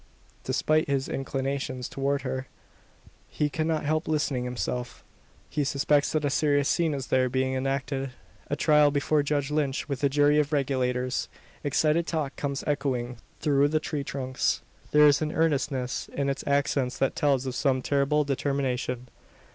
Despite his inclinations towards her, he cannot help listening himself. He suspects that a serious scene is there being enacted a trial before Judge Lynch, with a jury of "Regulators." Excited talk comes echoing through the tree trunks. There is an earnestness in its accents that tells of some terrible determination.